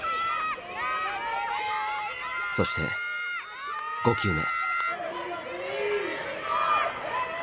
そして５球目。